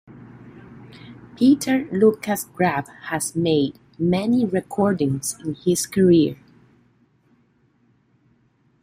Peter-Lukas Graf has made many recordings in his career.